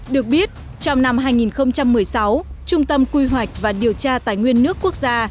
được biết trong năm hai nghìn một mươi sáu trung tâm quy hoạch và điều tra tài nguyên nước quốc gia